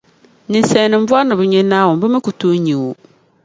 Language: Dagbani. Ninsalinima bɔri ni bɛ nya Naawuni bɛ mi ku tooi nya o.